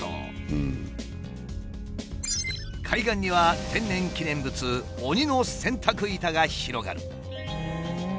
海岸には天然記念物「鬼の洗濯板」が広がる。